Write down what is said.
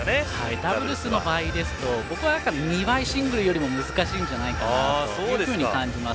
ダブルスの場合ですと僕は２倍、シングルスより難しいんじゃないかと感じます。